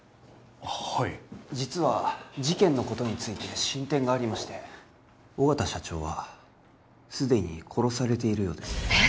はい実は事件のことについて進展がありまして緒方社長は既に殺されているようですえっ！？